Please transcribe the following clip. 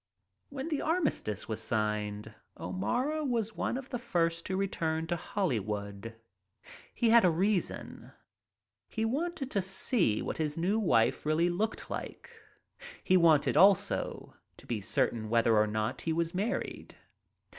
When the armistice was signed, O'Mara was one of the first to return to Hollywood. He had a rea son—he wanted to see what his new wife really looked like; he wanted also to be certain whether or not he was married.